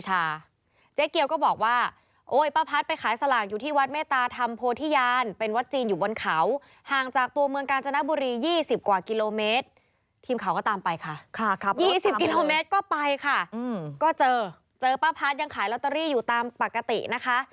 เจ๊เกียวก็บอกว่าป้าพัดยังขายโรตเตอรี่อยู่ตามปกตินะคะ